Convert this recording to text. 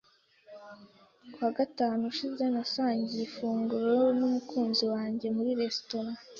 Ku wa gatanu ushize nasangiye ifunguro n'umukunzi wanjye muri resitora.